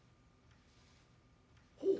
ほう。